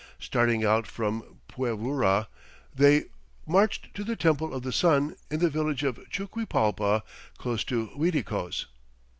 Starting out from Pucyura they marched to "the Temple of the Sun, in the village of Chuquipalpa, close to Uiticos."